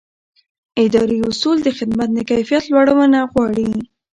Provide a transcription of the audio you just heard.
اداري اصول د خدمت د کیفیت لوړونه غواړي.